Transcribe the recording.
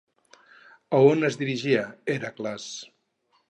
A on es dirigia, Hèracles?